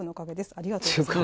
「ありがとうございます」と。